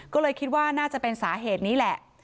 ก็เลยคิดว่าน่าจะเป็นสาเหตุนี้แหละ